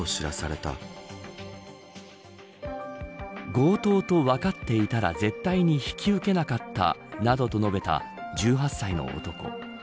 強盗と分かっていたら絶対に引き受けなかったなどと述べた１８歳の男。